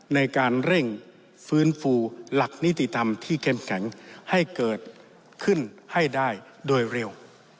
ในการเร่งฟื้นฟูหลักนิติธรรมที่เข้มแข็งให้เกิดขึ้นให้ได้โดยเร็ว